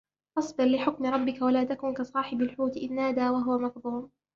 فاصبر لحكم ربك ولا تكن كصاحب الحوت إذ نادى وهو مكظوم